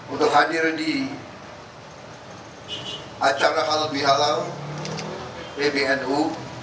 untuk hadir di acara halal bihalal pbnu